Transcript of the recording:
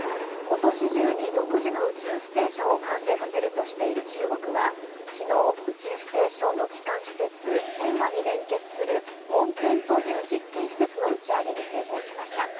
ことし中に独自の宇宙ステーションを完成させるとしている中国はきのう、宇宙ステーションの基幹施設、天和に連結する問天という実験施設の打ち上げに成功しました。